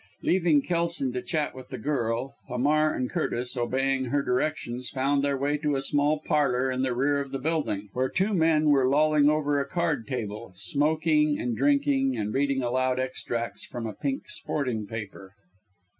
Leaving Kelson to chat with the girl, Hamar and Curtis, obeying her directions, found their way to a small parlour in the rear of the building, where two men were lolling over a card table, smoking and drinking, and reading aloud extracts from a pink sporting paper.